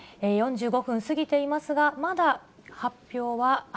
４５分過ぎていますが、まだ発表は。